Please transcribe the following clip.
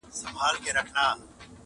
• خپل اوبه وجود راټولومه نور ,